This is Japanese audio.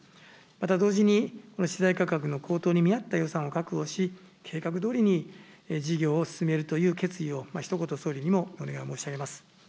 また同時に、資材価格の高騰に見合った予算を確保し、計画どおりに事業を進めるという決意をひと言、総理にもお願い申し上げます。